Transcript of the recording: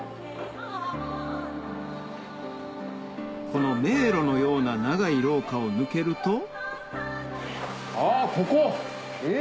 この迷路のような長い廊下を抜けるとあぁここ？え！